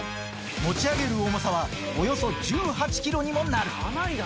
持ち上げる重さはおよそ１８キロにもなる。